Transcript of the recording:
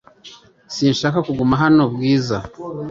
Sinshaka kuguma hano, Bwiza .